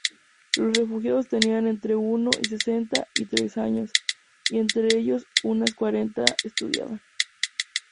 Los refugiados tenían entre uno y sesenta-y-tres años, y entre ellos unos cuarenta estudiaban.